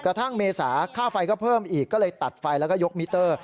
กระทั่งเมษาเครื่องนี้ก็ตัดไฟแล้วก็ยกมิเตอร์